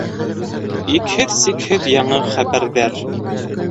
Икһеҙ-сикһеҙ яңы хәбәрҙәр...